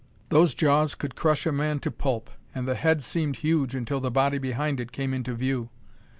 Those jaws could crush a man to pulp. And the head seemed huge until the body behind it came into view.